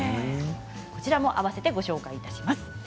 こちらも、あわせてご紹介します。